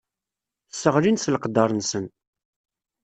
Sseɣlin s leqder-nsen.